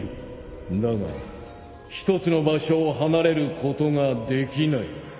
だが一つの場所を離れることができない。